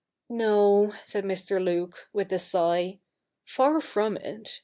' No,' said Mr. Luke, with a sigh, ' far from it.